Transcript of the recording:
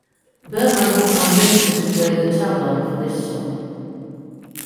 Burman who convinced him to play the tabla for this song.